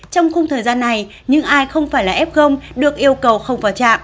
trong khung thời gian này những ai không phải là f được yêu cầu không vào trạng